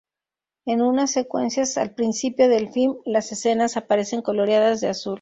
En unas secuencias al principio del film, las escenas aparecen coloreadas de azul.